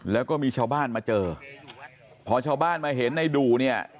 แล้วก็มีชาวบ้านมาเจอพอชาวบ้านมาเห็นในดูเนี่ย